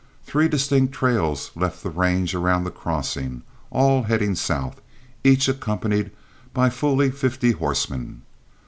Three distinct trails left the range around the Crossing, all heading south, each accompanied by fully fifty horsemen.